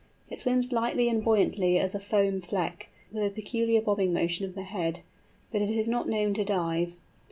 It swims lightly and buoyantly as a foam fleck, with a peculiar bobbing motion of the head, but it is not known to dive.